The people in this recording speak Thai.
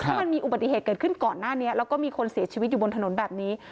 ถ้ามันมีอุบัติเหตุเกิดขึ้นก่อนหน้านี้แล้วก็มีคนเสียชีวิตอยู่บนถนนแบบนี้